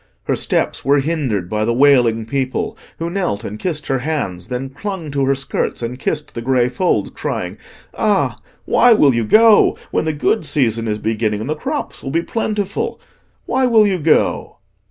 Her steps were hindered by the wailing people, who knelt and kissed her hands, then clung to her skirts and kissed the grey folds, crying, "Ah, why will you go, when the good season is beginning and the crops will be plentiful? Why will you go?"